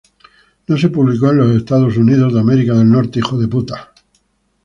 No se publicó en los Estados Unidos.